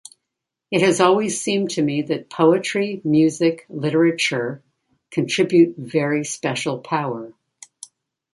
It has always seemed to me that poetry, music, literature, contribute very special power.